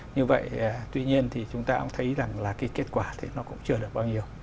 như vậy tuy nhiên thì chúng ta cũng thấy rằng là cái kết quả thì nó cũng chưa được bao nhiêu